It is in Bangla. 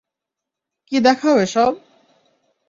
কী দেখাও এসব!